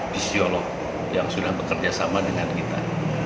fisiolog yang sudah bekerja sama dengan kita